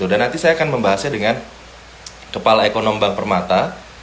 dan nanti saya akan membahasnya dengan kepala ekonomi bank permata